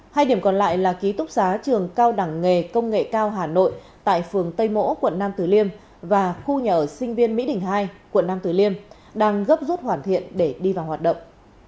hai điểm còn lại là ký túc xá trường cao đẳng nghề công nghệ cao hà nội tại phường tây mỗ quận nam tử liêm và khu nhà ở sinh viên mỹ đình hai quận nam tử liêm đang gấp rút hoàn thiện để đi vào hoạt động